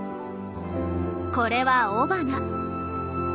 これは雄花。